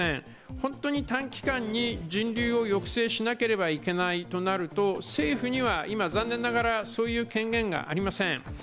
本当に短期間に人流を抑制しなければいけないとなると政府には今、残念ながらそういう権限がありません。